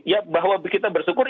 ya bahwa kita bersyukur